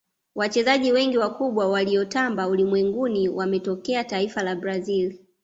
wachezaji wengi wakubwa waliotamba ulimwenguni wametokea taifa la brazil